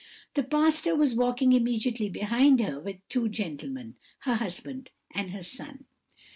The pastor was walking immediately behind her with two gentlemen, her husband and her son.